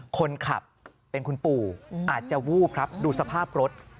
คนขับเป็นคุณปู่อาจจะวูบครับดูสภาพรถ